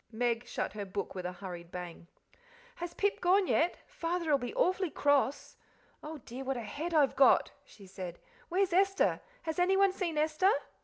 Meg shut her book with a hurried bang. "Has Pip gone yet? Father'll be awfully cross. Oh dear, what a head I've got!" she said. "Where's Esther? Has anyone seen Esther?"